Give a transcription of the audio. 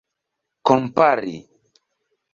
kompari